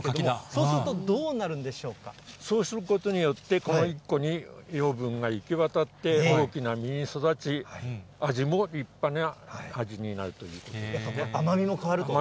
そうするとどうなるんでしょそうすることによって、この１個に養分が行き渡って、大きな実に育ち、味も立派な柿に甘みも変わると。